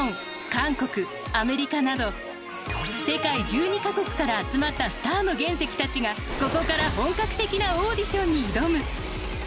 韓国アメリカなど世界１２カ国から集まったスターの原石たちがここから本格的なオーディションに挑む。